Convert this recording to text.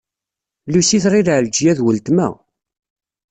Lucie tɣil Ɛelǧiya d weltma.